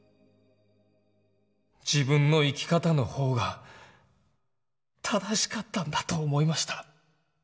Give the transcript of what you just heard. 自分の生き方の方が正しかったんだと思いました。